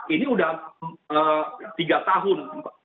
ini sudah tiga tahun